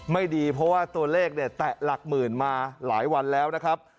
ไม่ดีเพราะว่าตัวเลขเนี่ยแตะหลักหมื่นมาหลายวันแล้วนะครับ